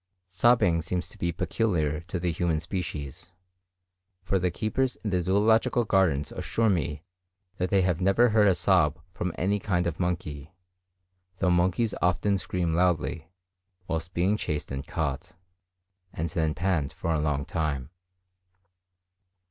Sobbing seems to be peculiar to the human species; for the keepers in the Zoological Gardens assure me that they have never heard a sob from any kind of monkey; though monkeys often scream loudly whilst being chased and caught, and then pant for a long time.